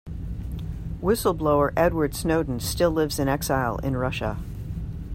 Whistle-blower Edward Snowden still lives in exile in Russia.